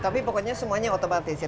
tapi pokoknya semuanya otomatis ya